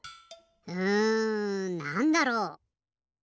うんなんだろう？